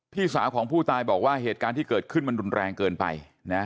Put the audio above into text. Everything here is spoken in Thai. พี่สาวของผู้ตายบอกว่าเหตุการณ์ที่เกิดขึ้นมันรุนแรงเกินไปนะ